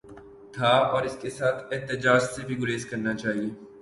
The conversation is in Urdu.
تھا اور اس کے ساتھ احتجاج سے بھی گریز کرنا چاہیے۔